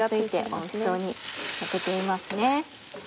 おいしそうに焼けていますね。